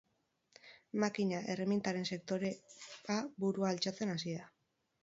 Makina-erremintaren sektorea burua altxatzen hasi da.